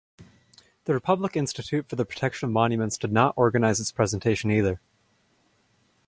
The Republic Institute for the Protection of Monuments did not organize its presentation either.